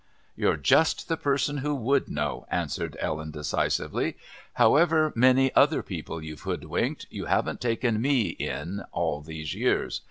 "You're just the person who would know," answered Ellen decisively. "However many other people you've hoodwinked, you haven't taken me in all these years.